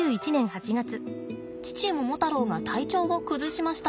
父モモタロウが体調を崩しました。